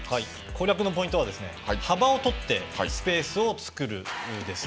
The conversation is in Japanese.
攻略のポイントは幅を取ってスペースを作るです。